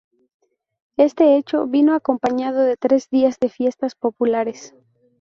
Este hecho vino acompañado de tres días de fiestas populares.